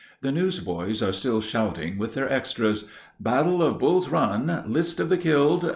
The newsboys are still shouting with their extras, "Battle of Bull's Run! List of the killed!